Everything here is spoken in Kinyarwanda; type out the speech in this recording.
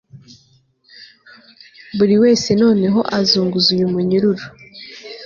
Buri wese noneho azunguza uyu munyururu